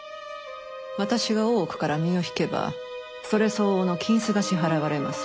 私が大奥から身を引けばそれ相応の金子が支払われます。